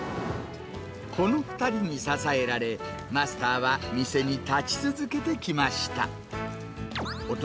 この２人に支えられ、マスターは店に立ち続けてきました。